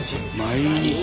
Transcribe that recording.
毎日。